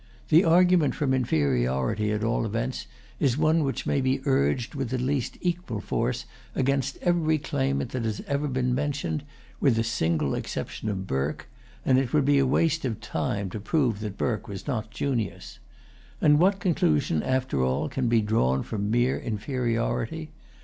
The argument from inferiority, at all events, is one which may be urged with at least equal[Pg 146] force against every claimant that has ever been mentioned, with the single exception of Burke; and it would be a waste of time to prove that Burke was not Junius. And what conclusion, after all, can be drawn from mere inferiority?